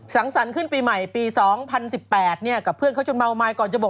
สังสรรค์ขึ้นปีใหม่ปี๒๐๑๘เนี่ยกับเพื่อนเขาจนเมาไม้ก่อนจะบอก